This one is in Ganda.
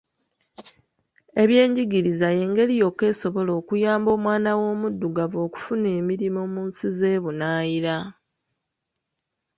Ebyenjigiriza ye ngeri yokka esobola okuyamba omwana w'omuddugavu okufuna emirimu mu nsi z'ebunaayira.